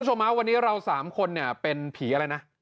คุณผู้ชมฮะวันนี้เรา๓คนเนี่ยเป็นผีอะไรนะ